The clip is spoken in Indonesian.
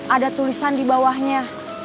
ada tulisan di bawahnya